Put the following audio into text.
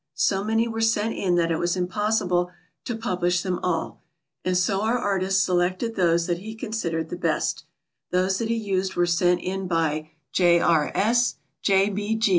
So many were sent in that it was impossible to publish them all, and so our artist selected those that he considered the best. Those that he used were sent in by J. R. S., J.